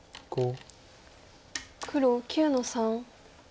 黒９の三。